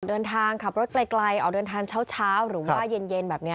เดินทางขับรถไกลออกเดินทางเช้าหรือว่าเย็นแบบนี้